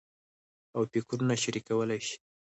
او فکرونه شریکولای شي.